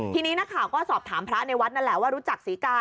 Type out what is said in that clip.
ทีนี้นักข่าวก็สอบถามพระในวัดนั่นแหละว่ารู้จักศรีกา